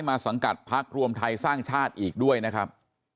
สังกัดพักรวมไทยสร้างชาติอีกด้วยนะครับ